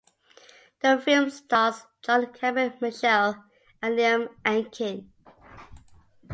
The film stars John Cameron Mitchell and Liam Aiken.